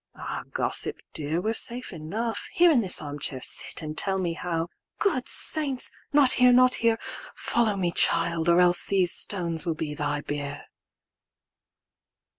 —"Ah, Gossip dear,"We're safe enough; here in this arm chair sit,"And tell me how"—"Good Saints! not here, not here;"Follow me, child, or else these stones will be thy bier."